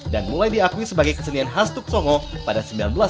dan mulai diakui sebagai kesenian khas tuk songo pada seribu sembilan ratus lima puluh dua